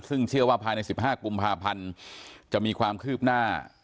ซึ่งเชื่อว่าภายใน๑๕กุมภาพันธ์จะมีความคืบหน้า